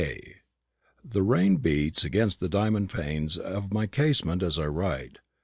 _ The rain beats against the diamond panes of my casement as I write.